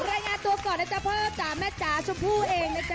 รายงานตัวก่อนจะเพิ่มตามแม่จ๋าชมพูเองนะจ๊ะ